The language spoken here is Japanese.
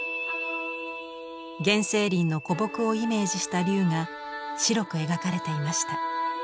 原生林の古木をイメージした龍が白く描かれていました。